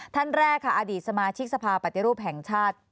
ท่านแรกค่ะอดีตสมาชิกสภาปฏิรูปแห่งชาติ